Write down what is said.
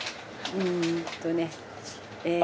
うんとねええ。